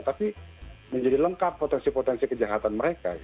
tapi menjadi lengkap potensi potensi kejahatan mereka